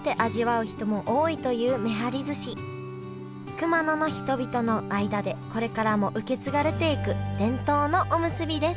熊野の人々の間でこれからも受け継がれていく伝統のおむすびです